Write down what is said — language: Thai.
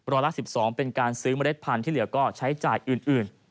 ละ๑๒เป็นการซื้อเมล็ดพันธุ์ที่เหลือก็ใช้จ่ายอื่น